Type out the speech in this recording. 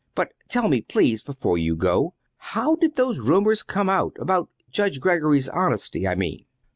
"But tell me, please, before you go, how did those rumors come out about Judge Greggory's honesty, I mean?"